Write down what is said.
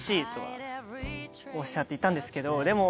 おっしゃっていたんですけどでも。